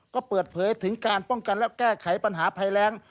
ก็เปิดเผยถึงการป้องกันและแก้ไขปัญหาภัยแรง